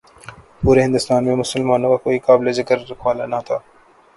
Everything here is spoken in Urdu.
پورے ہندوستان میں مسلمانوں کا کوئی قابل ذکر رکھوالا نہ تھا۔